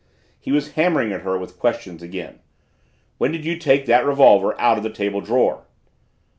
He was hammering at her with questions again. "When did you take that revolver out of the table drawer?"